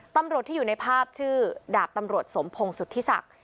ตำรวจที่อยู่ในภาพชื่อดาบตำรวจสมพงศุธิศักดิ์